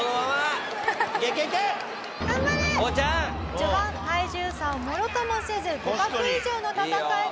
序盤体重差をもろともせず互角以上の戦いを見せるこうちゃん。